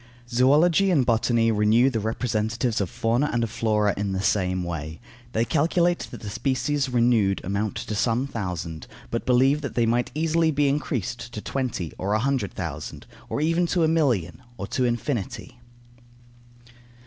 Zoology and botany renew the representatives of fauna and of flora in the same way. They calculate that the species renewed amount to some thousand, but believe that they might easily be increased to twenty or a hundred thousand, or even to a million, or to infinity.